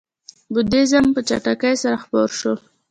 بودیزم په چټکۍ سره خپور شو.